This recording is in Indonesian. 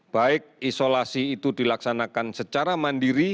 baik isolasi itu dilaksanakan secara mandiri